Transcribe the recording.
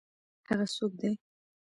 هغه څوک دی؟